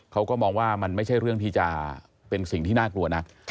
เขาก็มองว่ามันไม่ใช่เรื่องที่จะเป็นสิ่งที่น่ากลัวนัก